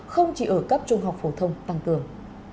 không chỉ ở cấp trung học phổ thông tăng cường